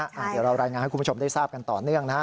เดี๋ยวเรารายงานให้คุณผู้ชมได้ทราบกันต่อเนื่องนะฮะ